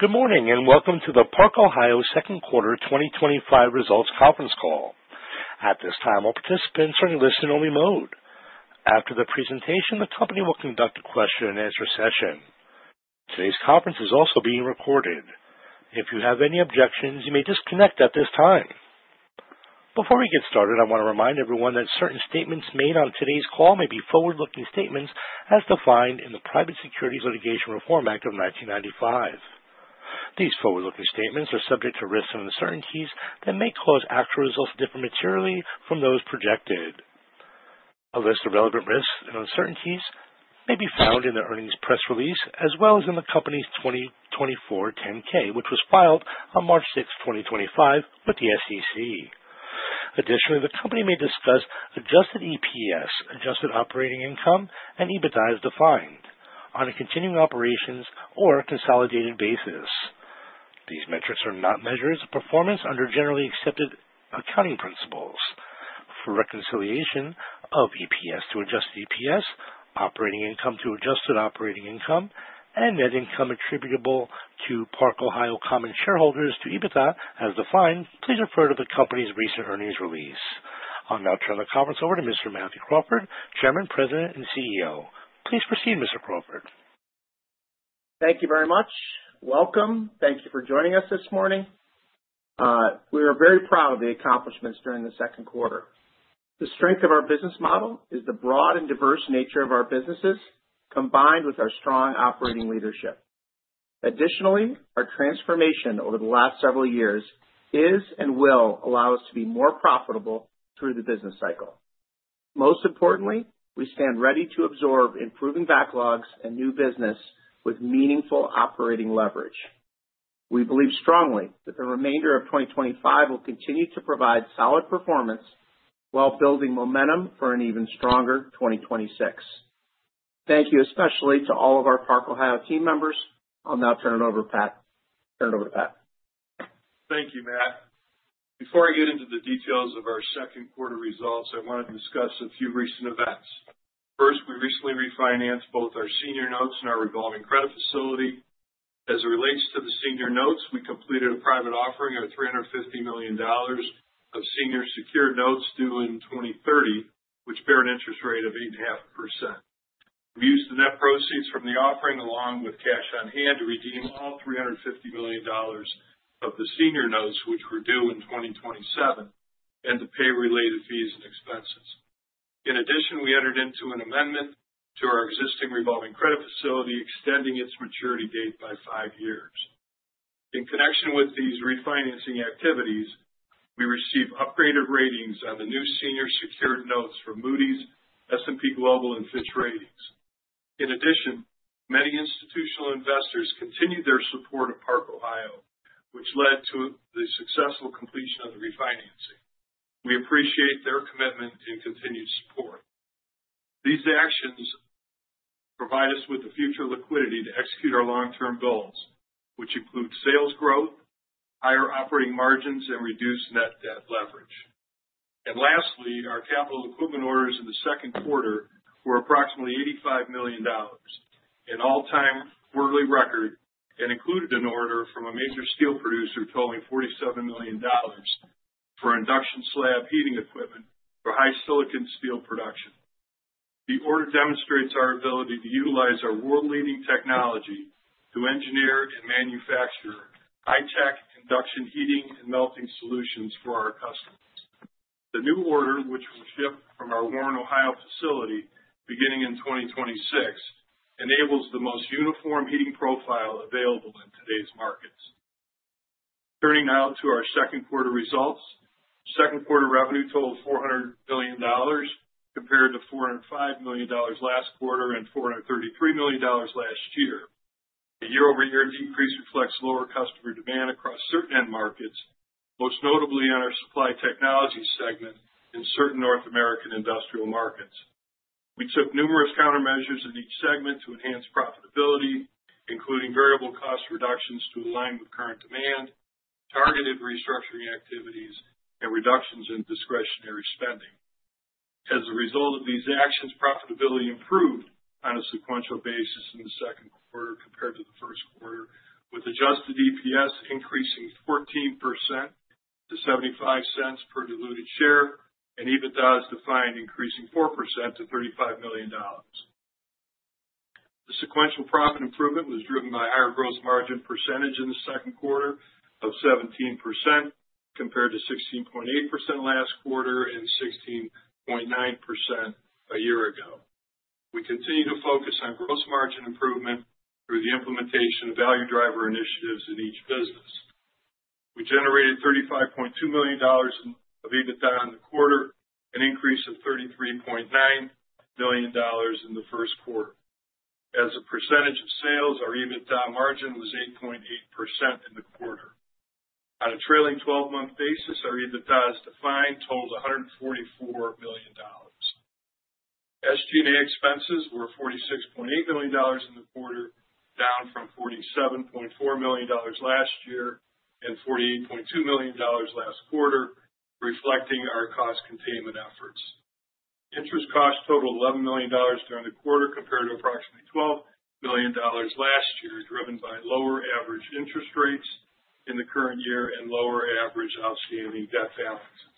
Good morning and welcome to the Park-Ohio Second Quarter 2025 Results Conference Call. At this time, all participants are in listen-only mode. After the presentation, the company will conduct a question-and-answer session. Today's conference is also being recorded. If you have any objections, you may disconnect at this time. Before we get started, I want to remind everyone that certain statements made on today's call may be forward-looking statements as defined in the Private Securities Litigation Reform Act of 1995. These forward-looking statements are subject to risks and uncertainties that may cause actual results to differ materially from those projected. A list of relevant risks and uncertainties may be found in the earnings press release, as well as in the company's 2024 10-K, which was filed on March 6, 2025, with the SEC. Additionally, the company may discuss adjusted EPS, adjusted operating income, and EBITDA as defined on a continuing operations or consolidated basis. These metrics are not measures of performance under generally accepted accounting principles. For reconciliation of EPS to adjusted EPS, operating income to adjusted operating income, and net income attributable to Park-Ohio common shareholders to EBITDA as defined, please refer to the company's recent earnings release. I'll now turn the conference over to Mr. Matthew Crawford, Chairman, President, and CEO. Please proceed, Mr. Crawford. Thank you very much. Welcome. Thank you for joining us this morning. We are very proud of the accomplishments during the second quarter. The strength of our business model is the broad and diverse nature of our businesses, combined with our strong operating leadership. Additionally, our transformation over the last several years is and will allow us to be more profitable through the business cycle. Most importantly, we stand ready to absorb improving backlogs and new business with meaningful operating leverage. We believe strongly that the remainder of 2025 will continue to provide solid performance while building momentum for an even stronger 2026. Thank you, especially to all of our Park-Ohio team members. I'll now turn it over to Pat. Thank you, Matt. Before I get into the details of our second quarter results, I wanted to discuss a few recent events. First, we recently refinanced both our senior notes and our revolving credit facility. As it relates to the senior notes, we completed a private offering of $350 million of senior secured notes due in 2030, which bear an interest rate of 8.5%. We used the net proceeds from the offering, along with cash on hand, to redeem all $350 million of the senior notes, which were due in 2027, and to pay related fees and expenses. In addition, we entered into an amendment to our existing revolving credit facility, extending its maturity date by five years. In connection with these refinancing activities, we received upgraded ratings on the new senior secured notes from Moody’s, S&P Global, and Fitch Ratings. In addition, many institutional investors continued their support of Park-Ohio, which led to the successful completion of the refinancing. We appreciate their commitment and continued support. These actions provide us with the future liquidity to execute our long-term goals, which include sales growth, higher operating margins, and reduced net debt leverage. Lastly, our capital equipment orders in the second quarter were approximately $85 million, an all-time quarterly record, and included an order from a major steel producer totaling $47 million for induction slab heating equipment for high silicon steel production. The order demonstrates our ability to utilize our world-leading technology to engineer and manufacture high-tech conduction heating and melting solutions for our customers. The new order, which will ship from our Warren, Ohio facility beginning in 2026, enables the most uniform heating profile available in today's markets. Turning now to our second quarter results, second quarter revenue totaled $400 million, compared to $405 million last quarter and $433 million last year. The year-over-year decrease reflects lower customer demand across certain end markets, most notably on our supply technologies segment in certain North American industrial markets. We took numerous countermeasures in each segment to enhance profitability, including variable cost reductions to align with current demand, targeted restructuring activities, and reductions in discretionary spending. As a result of these actions, profitability improved on a sequential basis in the second quarter compared to the first quarter, with adjusted EPS increasing 14% to $0.75 per diluted share and EBITDA as defined, increasing 4% to $35 million. The sequential profit improvement was driven by a higher gross margin percentage in the second quarter of 17%, compared to 16.8% last quarter and 16.9% a year ago. We continue to focus on gross margin improvement through the implementation of value driver initiatives in each business. We generated $35.2 million of EBITDA in the quarter, an increase from $33.9 million in the first quarter. As a percentage of sales, our EBITDA margin was 8.8% in the quarter. On a trailing 12-month basis, our EBITDA as defined totaled $144 million. SG&A expenses were $46.8 million in the quarter, down from $47.4 million last year and $48.2 million last quarter, reflecting our cost containment efforts. Interest costs totaled $11 million during the quarter, compared to approximately $12 million last year, driven by lower average interest rates in the current year and lower average outstanding debt balances.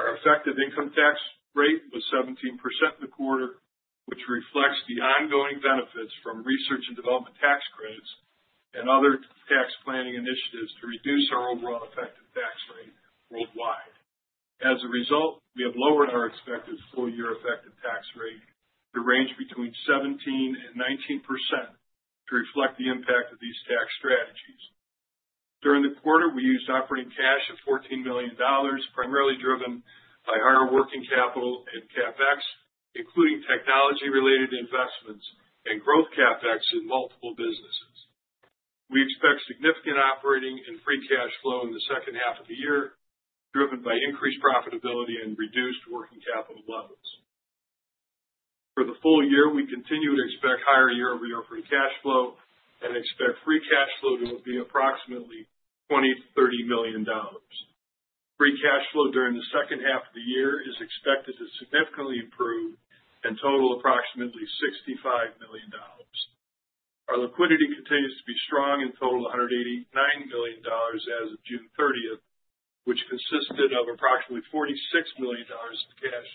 Our effective income tax rate was 17% in the quarter, which reflects the ongoing benefits from research and development tax credits and other tax planning initiatives to reduce our overall effective tax rate worldwide. As a result, we have lowered our expected full-year effective tax rate to range between 17% and 19% to reflect the impact of these tax strategies. During the quarter, we used operating cash of $14 million, primarily driven by higher working capital and CapEx, including technology-related investments and growth CapEx in multiple businesses. We expect significant operating and free cash flow in the second half of the year, driven by increased profitability and reduced working capital levels. For the full year, we continue to expect higher year-over-year free cash flow and expect free cash flow to be approximately $20 million-$30 million. Free cash flow during the second half of the year is expected to significantly improve and total approximately $65 million. Our liquidity continues to be strong and totaled $189 million as of June 30th, which consisted of approximately $46 million of cash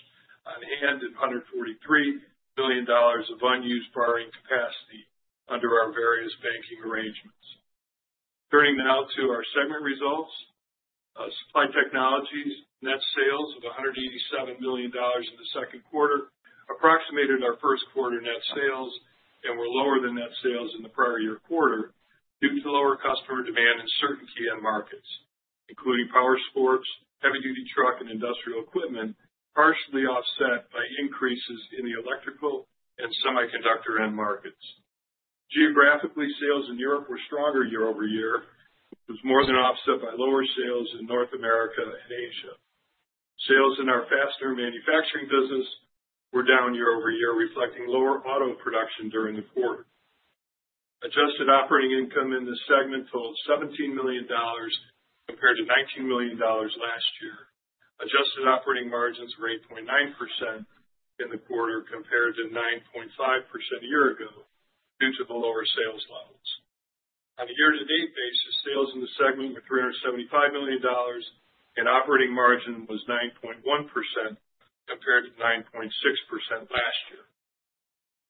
on hand and $143 million of unused borrowing capacity under our various banking arrangements. Turning now to our segment results, Supply Technologies net sales of $187 million in the second quarter approximated our first quarter net sales and were lower than net sales in the prior-year-quarter due to lower customer demand and uncertainty in markets, including power sports, heavy-duty truck, and industrial equipment, partially offset by increases in the electrical and semiconductor end markets. Geographically, sales in Europe were stronger year-over-year, with more than offset by lower sales in North America and Asia. Sales in our proprietary fastener manufacturing business were down year-over-year, reflecting lower auto production during the quarter. Adjusted operating income in this segment totaled $17 million compared to $19 million last year. Adjusted operating margins were 8.9% in the quarter compared to 9.5% a year ago due to the lower sales levels. On a year-to-date basis, sales in the segment were $375 million and operating margin was 9.1% compared to 9.6% last year.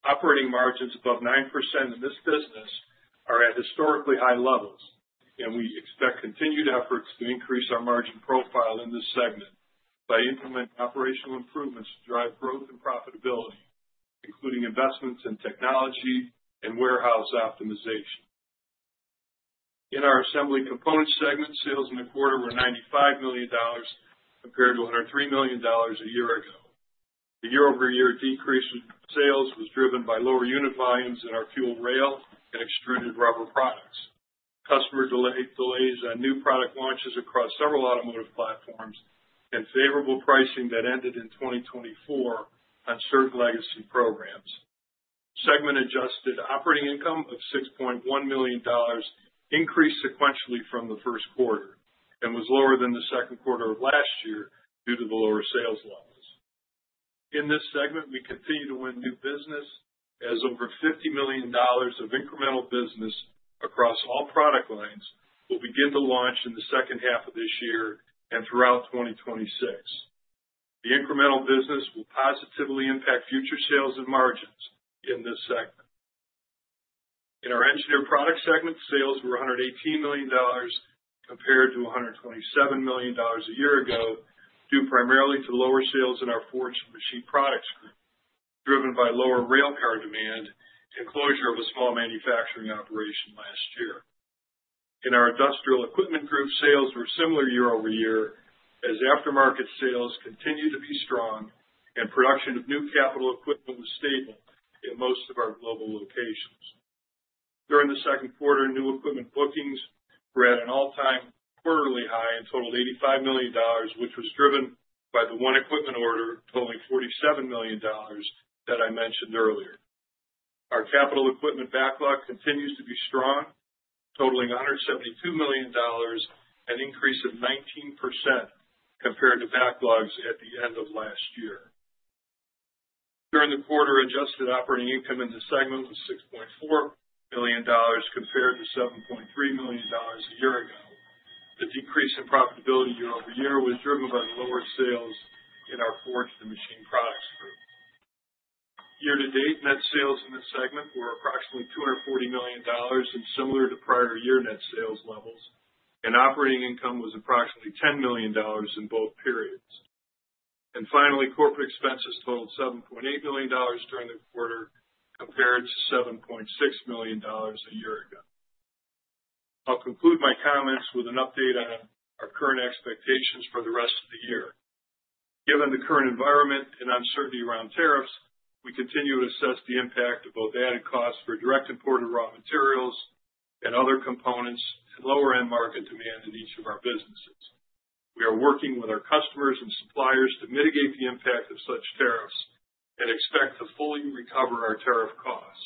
Operating margins above 9% in this business are at historically high levels, and we expect continued efforts to increase our margin profile in this segment by implementing operational improvements to drive growth and profitability, including investments in technology and warehouse optimization. In our Assembly Components segment, sales in the quarter were $95 million compared to $103 million a year ago. The year-over-year decrease in sales was driven by lower unit volumes in our fuel rail and extruded rubber products, customer delays on new product launches across several automotive platforms, and favorable pricing that ended in 2024 on certain legacy programs. Segment adjusted operating income of $6.1 million increased sequentially from the first quarter and was lower than the second quarter of last year due to the lower sales levels. In this segment, we continue to win new business, as over $50 million of incremental business across all product lines will begin to launch in the second half of this year and throughout 2026. The incremental business will positively impact future sales and margins in this segment. In our Engineered Products segment, sales were $118 million compared to $127 million a year ago, due primarily to lower sales in our forged machine products group, driven by lower rail car demand and closure of a small manufacturing operation last year. In our industrial equipment group, sales were similar year-over-year, as aftermarket sales continued to be strong and production of new capital equipment was stable in most of our global locations. During the second quarter, new equipment bookings were at an all-time quarterly high and totaled $85 million, which was driven by the one equipment order totaling $47 million that I mentioned earlier. Our capital equipment backlog continues to be strong, totaling $172 million, an increase of 19% compared to backlogs at the end of last year. During the quarter, adjusted operating income in this segment was $6.4 million compared to $7.3 million a year ago. The decrease in profitability year-over-year was driven by lower sales in our forged machine products group. Year-to-date net sales in this segment were approximately $240 million and similar to prior year net sales levels, and operating income was approximately $10 million in both periods. Finally, corporate expenses totaled $7.8 million during the quarter compared to $7.6 million a year ago. I'll conclude my comments with an update on our current expectations for the rest of the year. Given the current environment and uncertainty around tariffs, we continue to assess the impact of both added costs for direct imported raw materials and other components and lower end market demand in each of our businesses. We are working with our customers and suppliers to mitigate the impact of such tariffs and expect to fully recover our tariff costs,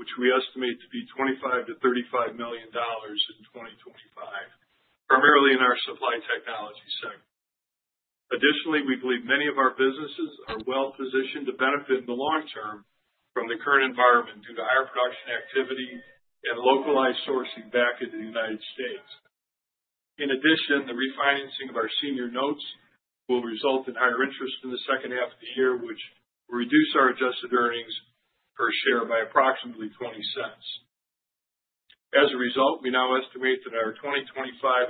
which we estimate to be $25 million-$35 million in 2025, primarily in our supply technologies segment. Additionally, we believe many of our businesses are well-positioned to benefit in the long term from the current environment due to higher production activity and localized sourcing back into the United States. In addition, the refinancing of our senior secured notes will result in higher interest in the second half of the year, which will reduce our adjusted earnings per share by approximately $0.20. As a result, we now estimate that our 2025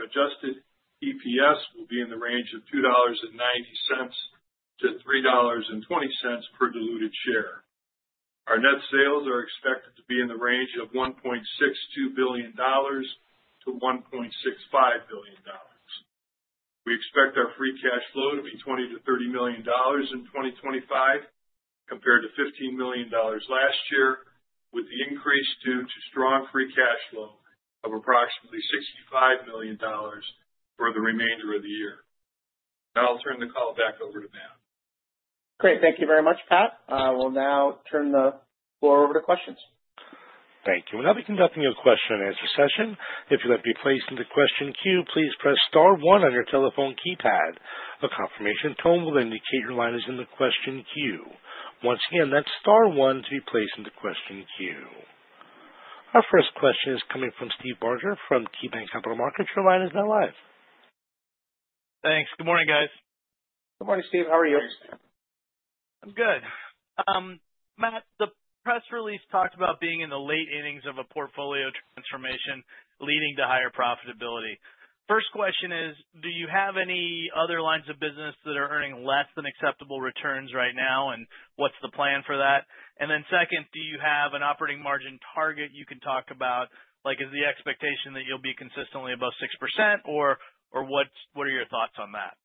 adjusted EPS will be in the range of $2.90-$3.20 per diluted share. Our net sales are expected to be in the range of $1.62 billion-$1.65 billion. We expect our free cash flow to be $20 million-$30 million in 2025, compared to $15 million last year, with the increase due to strong free cash flow of approximately $65 million for the remainder of the year. Now I'll turn the call back over to Matt. Great. Thank you very much, Pat. We'll now turn the floor over to questions. Thank you. I'll be conducting a question-and-answer session. If you'd like to be placed into the question queue, please press star one on your telephone keypad. A confirmation tone will indicate your line is in the question queue. Once again, that's star one to be placed into the question queue. Our first question is coming from Steve Barger from KeyBanc Capital Markets. Your line is now live. Thanks. Good morning, guys. Good morning, Steve. How are you? I'm good. Matt, the press release talked about being in the late innings of a portfolio transformation leading to higher profitability. First question is, do you have any other lines of business that are earning less than acceptable returns right now, and what's the plan for that? Second, do you have an operating margin target you can talk about? Like, is the expectation that you'll be consistently above 6%, or what's what are your thoughts on that?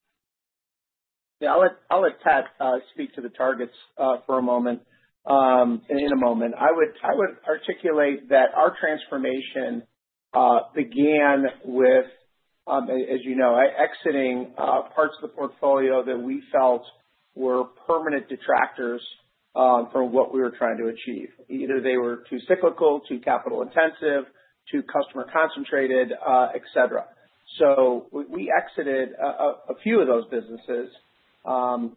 I'll let Pat speak to the targets for a moment. I would articulate that our transformation began with, as you know, exiting parts of the portfolio that we felt were permanent detractors from what we were trying to achieve. Either they were too cyclical, too capital intensive, too customer concentrated, et cetera. We exited a few of those businesses,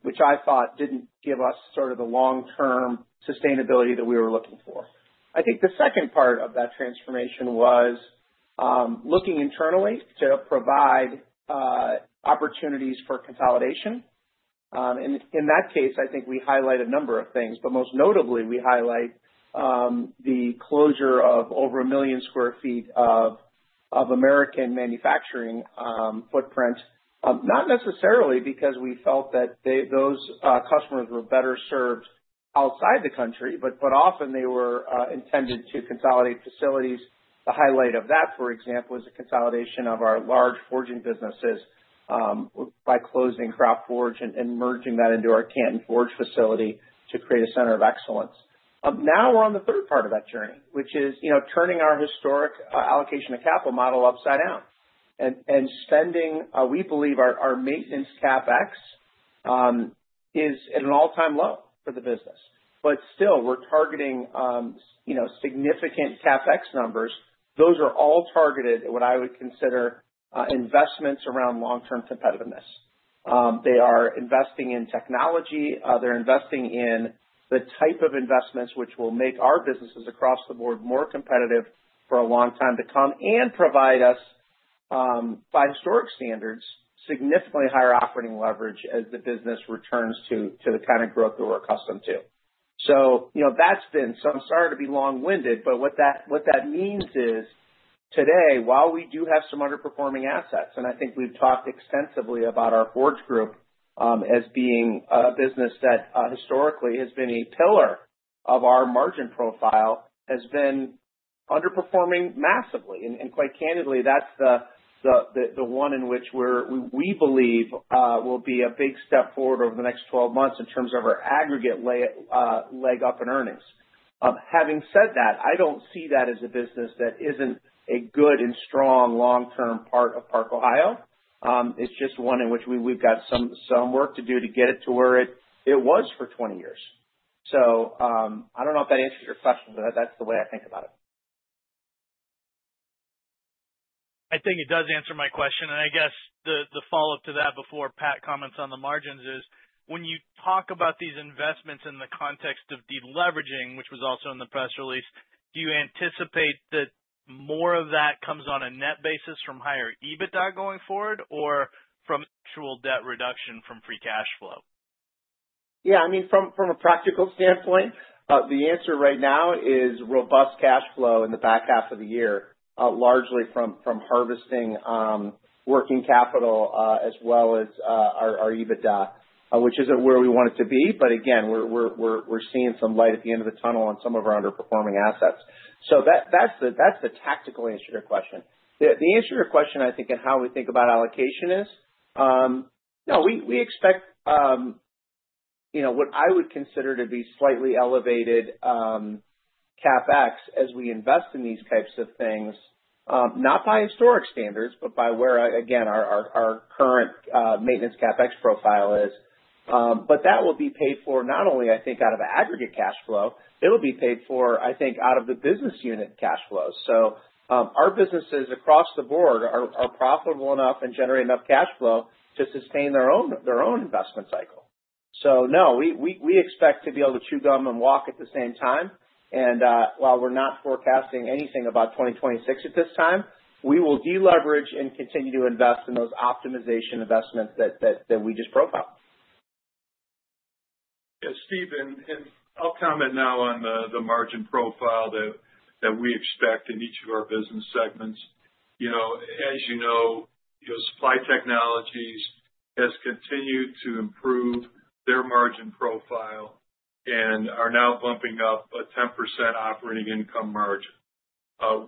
which I thought didn't give us sort of the long-term sustainability that we were looking for. I think the second part of that transformation was looking internally to provide opportunities for consolidation. In that case, I think we highlight a number of things, but most notably, we highlight the closure of over a million square feet of American manufacturing footprint, not necessarily because we felt that those customers were better served outside the country, but often they were intended to consolidate facilities. The highlight of that, for example, is a consolidation of our large forging businesses by closing Craft Forge and merging that into our Canton Forge facility to create a center of excellence. Now on the third part of that journey, which is turning our historic allocation of capital model upside down and spending, we believe our maintenance CapEx is at an all-time low for the business. Still, we're targeting significant CapEx numbers. Those are all targeted at what I would consider investments around long-term competitiveness. They are investing in technology. They're investing in the type of investments which will make our businesses across the board more competitive for a long time to come and provide us, by historic standards, significantly higher operating leverage as the business returns to the kind of growth that we're accustomed to. That's thin. I'm sorry to be long-winded, but what that means is today, while we do have some underperforming assets, and I think we've talked extensively about our forge group as being a business that historically has been a pillar of our margin profile, it has been underperforming massively. Quite candidly, that's the one in which we believe will be a big step forward over the next 12 months in terms of our aggregate leg up in earnings. Having said that, I don't see that as a business that isn't a good and strong long-term part of Park-Ohio. It's just one in which we've got some work to do to get it to where it was for 20 years. I don't know if that answered your question, but that's the way I think about it. I think it does answer my question. I guess the follow-up to that before Pat comments on the margins is when you talk about these investments in the context of deleveraging, which was also in the press release, do you anticipate that more of that comes on a net basis from higher EBITDA going forward or from actual debt reduction from free cash flow? From a practical standpoint, the answer right now is robust cash flow in the back half of the year, largely from harvesting working capital as well as our EBITDA, which isn't where we want it to be. Again, we're seeing some light at the end of the tunnel on some of our underperforming assets. That's the tactical answer to your question. The answer to your question, I think, and how we think about allocation is, no, we expect what I would consider to be slightly elevated CapEx as we invest in these types of things, not by historic standards, but by where our current maintenance CapEx profile is. That will be paid for not only, I think, out of aggregate cash flow. It'll be paid for, I think, out of the business unit cash flows. Our businesses across the board are profitable enough and generate enough cash flow to sustain their own investment cycle. We expect to be able to chew gum and walk at the same time. While we're not forecasting anything about 2026 at this time, we will deleverage and continue to invest in those optimization investments that we just profiled. Yeah, Steve. I'll comment now on the margin profile that we expect in each of our business segments. As you know, Supply Technologies have continued to improve their margin profile and are now bumping up a 10% operating income margin.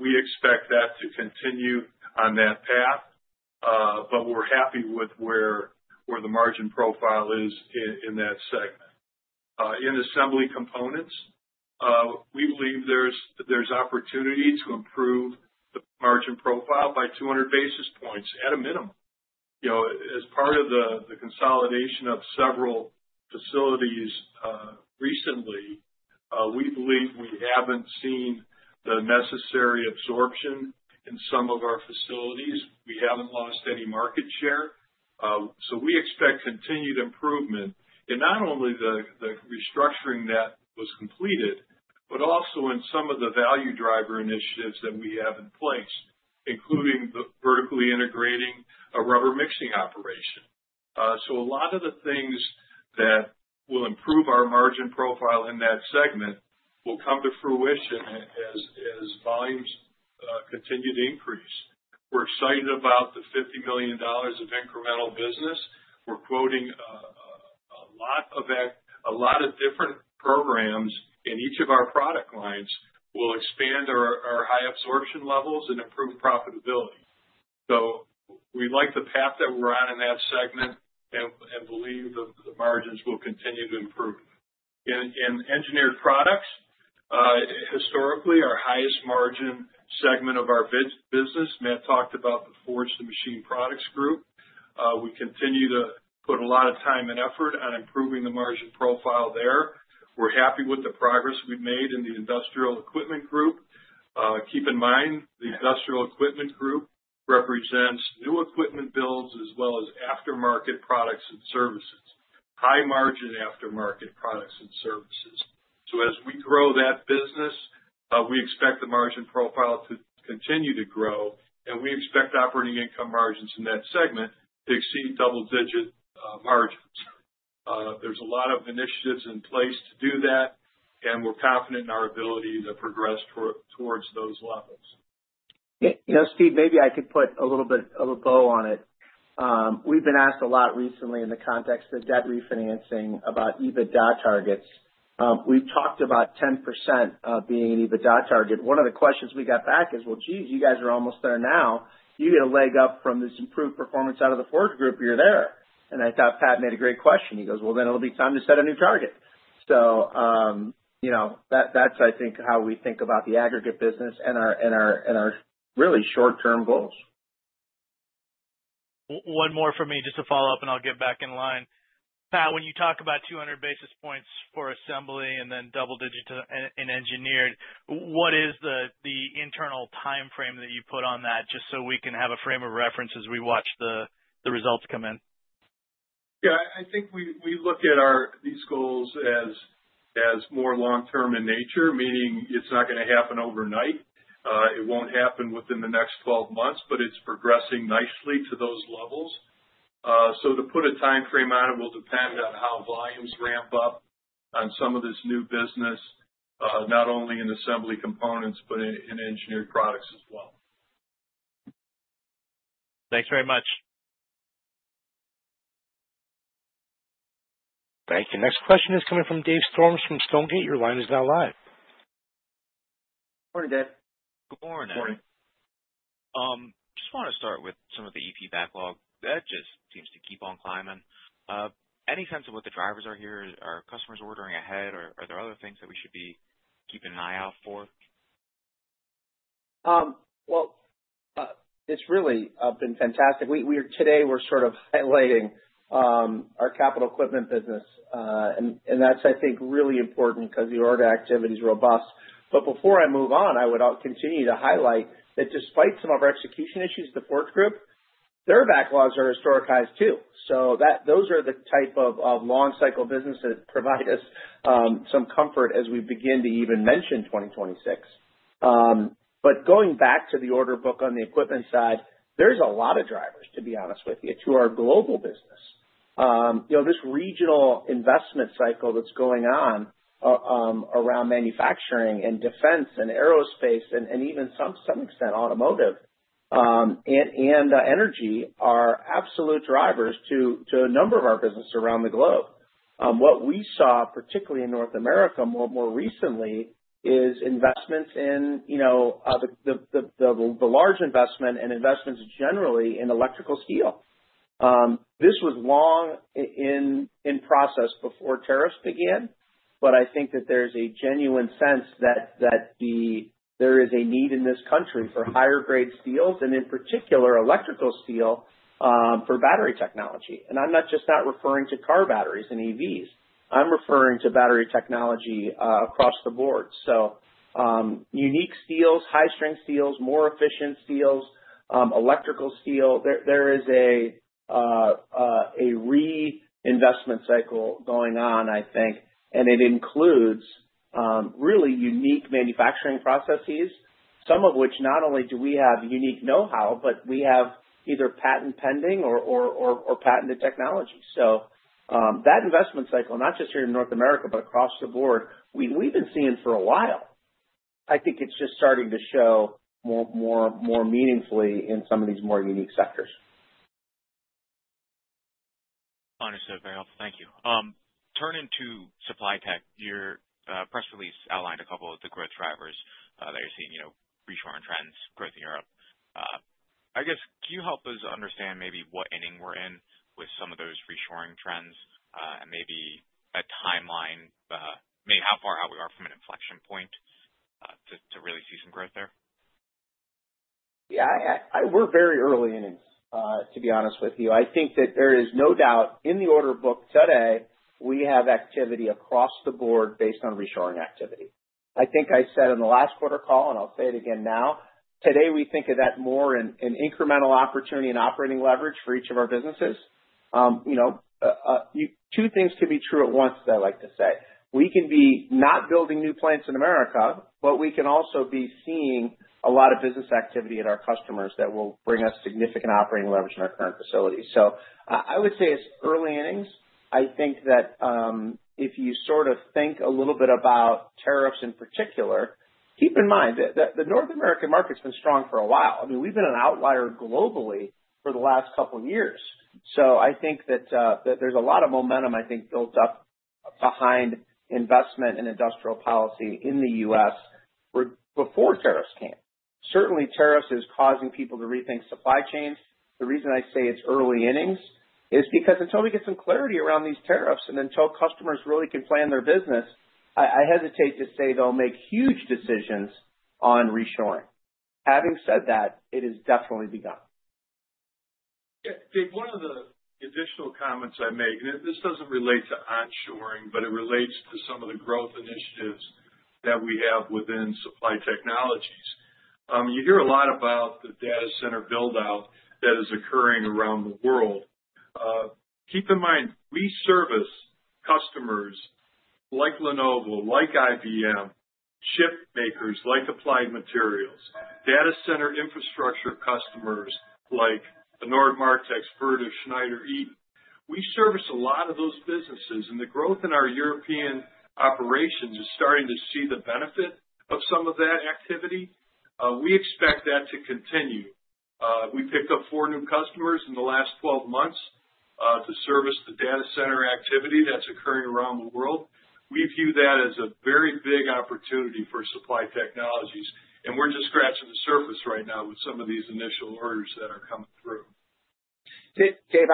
We expect that to continue on that path. We're happy with where the margin profile is in that segment. In Assembly Components, we believe there's opportunity to improve the margin profile by 200 basis points at a minimum. As part of the consolidation of several facilities recently, we believe we haven't seen the necessary absorption in some of our facilities. We haven't lost any market share. We expect continued improvement in not only the restructuring that was completed, but also in some of the value driver initiatives that we have in place, including vertically integrating a rubber mixing operation. A lot of the things that will improve our margin profile in that segment will come to fruition as volumes continue to increase. We're excited about the $50 million of incremental business. We're quoting a lot of different programs in each of our product lines that will expand our high absorption levels and improve profitability. We like the path that we're on in that segment and believe the margins will continue to improve. In Engineered Products, historically our highest margin segment of our business, Matt talked about the forged machine products group. We continue to put a lot of time and effort on improving the margin profile there. We're happy with the progress we've made in the industrial equipment group. Keep in mind, the industrial equipment group represents new equipment builds as well as aftermarket products and services, high margin aftermarket products and services. As we grow that business, we expect the margin profile to continue to grow, and we expect operating income margins in that segment to exceed double-digit margins. There are a lot of initiatives in place to do that, and we're confident in our ability to progress towards those levels. You know, Steve, maybe I could put a little bit of a bow on it. We've been asked a lot recently in the context of debt refinancing about EBITDA targets. We've talked about 10% being an EBITDA target. One of the questions we got back is, "Geez, you guys are almost there now. You get a leg up from this improved performance out of the forge group, you're there." I thought Pat made a great question. He goes, "Then it'll be time to set a new target." That is, I think, how we think about the aggregate business and our really short-term goals. One more for me, just to follow up, and I'll get back in line. Pat, when you talk about 200 basis points for assembly and then double-digit in engineered, what is the internal timeframe that you put on that just so we can have a frame of reference as we watch the results come in? Yeah. I think we look at these goals as more long-term in nature, meaning it's not going to happen overnight. It won't happen within the next 12 months, but it's progressing nicely to those levels. To put a timeframe on it will depend on how volumes ramp up on some of this new business, not only in Assembly Components, but in Engineered Products as well. Thanks very much. Thank you. Next question is coming from Dave Storms from Stonegate. Your line is now live. Morning, Dave. Good morning. Morning. I just want to start with some of the EP backlog. That just seems to keep on climbing. Any sense of what the drivers are here? Are customers ordering ahead, or are there other things that we should be keeping an eye out for? It's really been fantastic. Today, we're sort of highlighting our capital equipment business, and that's, I think, really important because your activity is robust. Before I move on, I would continue to highlight that despite some of our execution issues with the forge group, their backlogs are historicized too. Those are the type of long-cycle business that provide us some comfort as we begin to even mention 2026. Going back to the order book on the equipment side, there's a lot of drivers, to be honest with you, to our global business. This regional investment cycle that's going on around manufacturing and defense and aerospace and even to some extent automotive and energy are absolute drivers to a number of our businesses around the globe. What we saw, particularly in North America more recently, is investments in the large investment and investments generally in electrical steel. This was long in process before tariffs began, but I think that there's a genuine sense that there is a need in this country for higher-grade steels and in particular electrical steel for battery technology. I'm not just not referring to car batteries and EVs. I'm referring to battery technology across the board. Unique steels, high-strength steels, more efficient steels, electrical steel. There is a reinvestment cycle going on, I think, and it includes really unique manufacturing processes, some of which not only do we have unique know-how, but we have either patent pending or patented technology. That investment cycle, not just here in North America, but across the board, we've been seeing for a while. I think it's just starting to show more meaningfully in some of these more unique sectors. Fine well said, very helpful. Thank you. Turning to Supply Technologies, your press release outlined a couple of the growth drivers that you're seeing, you know, reshoring trends, growth in Europe. I guess, can you help us understand maybe what inning we're in with some of those reshoring trends, and maybe a timeline, maybe how far out we are from an inflection point to really see some growth there? Yeah. We're very early innings, to be honest with you. I think that there is no doubt in the order book today, we have activity across the board based on reshoring activity. I think I said in the last quarter call, and I'll say it again now, today we think of that more in incremental opportunity and operating leverage for each of our businesses. You know, two things to be true at once, as I like to say. We can be not building new plants in America, but we can also be seeing a lot of business activity in our customers that will bring us significant operating leverage in our current facilities. I would say it's early innings. I think that, if you sort of think a little bit about tariffs in particular, keep in mind that the North American market's been strong for a while. I mean, we've been an outlier globally for the last couple of years. I think that there's a lot of momentum, I think, built up behind investment and industrial policy in the U.S. before tariffs came. Certainly, tariffs are causing people to rethink supply chains. The reason I say it's early innings is because until we get some clarity around these tariffs and until customers really can plan their business, I hesitate to say they'll make huge decisions on reshoring. Having said that, it has definitely begun. Dave, one of the additional comments I make, and this doesn't relate to onshoring, but it relates to some of the growth initiatives that we have within Supply Technologies. You hear a lot about the data center buildout that is occurring around the world. Keep in mind, we service customers like Lenovo, like IBM, chip makers like Applied Materials, data center infrastructure customers like Nord Martex, Vertix, Schneider, Eaton. We service a lot of those businesses, and the growth in our European operations is starting to see the benefit of some of that activity. We expect that to continue. We picked up four new customers in the last 12 months, to service the data center activity that's occurring around the world. We view that as a very big opportunity for Supply Technologies. We're just scratching the surface right now with some of these initial orders that are coming through. Dave,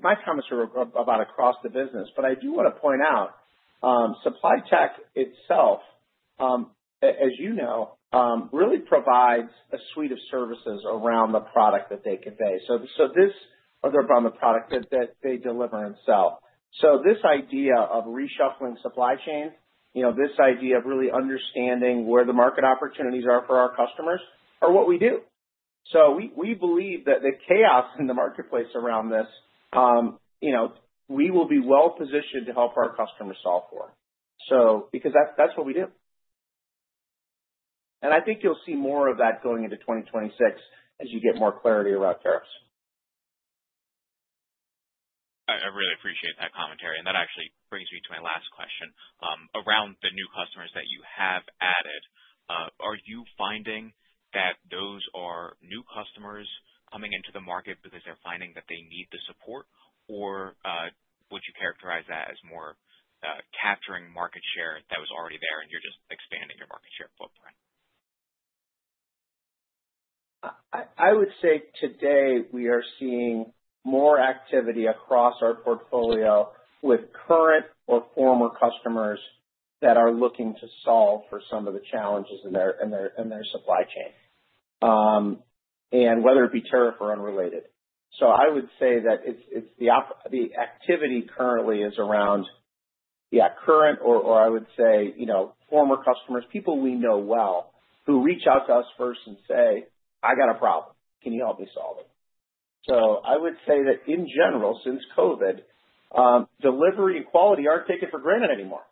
my comments are about across the business, but I do want to point out, Supply Technologies itself, as you know, really provides a suite of services around the product that they convey. This other product that they deliver and sell, this idea of reshuffling supply chains, this idea of really understanding where the market opportunities are for our customers, are what we do. We believe that the chaos in the marketplace around this, we will be well-positioned to help our customers solve for it because that's what we do. I think you'll see more of that going into 2026 as you get more clarity around tariffs. I really appreciate that commentary. That actually brings me to my last question, around the new customers that you have added. Are you finding that those are new customers coming into the market because they're finding that they need the support, or would you characterize that as more capturing market share that was already there and you're just expanding your market share footprint? I would say today we are seeing more activity across our portfolio with current or former customers that are looking to solve for some of the challenges in their supply chain, whether it be tariff or unrelated. I would say that the activity currently is around current or former customers, people we know well who reach out to us first and say, "I got a problem. Can you help me solve it?" In general, since COVID, delivery and quality aren't taken for granted anymore.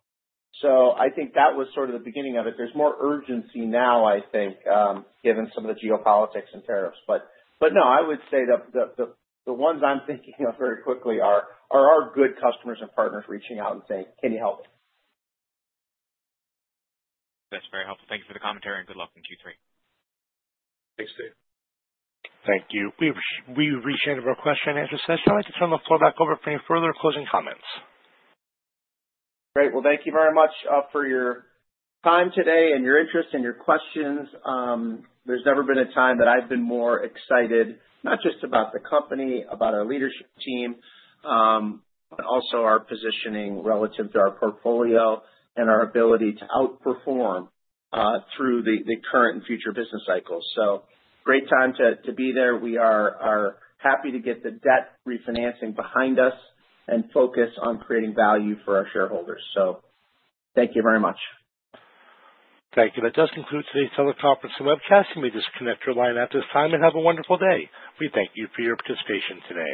I think that was sort of the beginning of it. There's more urgency now, I think, given some of the geopolitics and tariffs. The ones I'm thinking of very quickly are our good customers and partners reaching out and saying, "Can you help me? That's very helpful. Thank you for the commentary, and good luck in Q3. Thanks, Steve. Thank you. We appreciate every question and answer session. I'd like to turn the floor back over for any further closing comments. Thank you very much for your time today and your interest and your questions. There's never been a time that I've been more excited, not just about the company, about our leadership team, but also our positioning relative to our portfolio and our ability to outperform through the current and future business cycles. Great time to be there. We are happy to get the debt refinancing behind us and focus on creating value for our shareholders. Thank you very much. Thank you. That does conclude today's teleconference and webcasting. We will disconnect our line at this time and have a wonderful day. We thank you for your participation today.